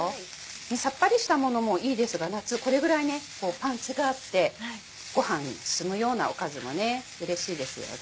さっぱりしたものもいいですが夏これぐらいねパンチがあってご飯進むようなおかずもうれしいですよね。